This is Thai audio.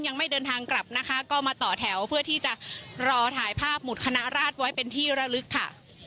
ยังไม่เดินทางกลับนะคะก็มาต่อแถวเพื่อที่จะรอถ่ายภาพหมุดคณะราชไว้เป็นที่ระลึกค่ะ